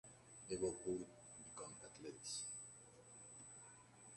They would both become athletes.